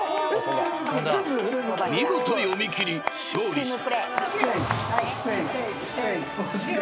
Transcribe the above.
［見事読み切り勝利した］